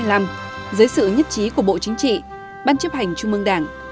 năm một nghìn chín trăm chín mươi năm dưới sự nhất trí của bộ chính trị ban chấp hành trung mương đảng